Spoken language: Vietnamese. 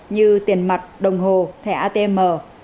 như tiền mặt đồng hồ thẻ atm